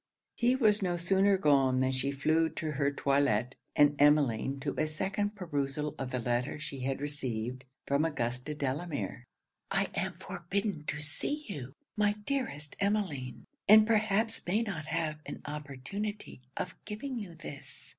He was no sooner gone than she flew to her toilet, and Emmeline to a second perusal of the letter she had received from Augusta Delamere. 'I am forbidden to see you, my dearest Emmeline; and perhaps may not have an opportunity of giving you this.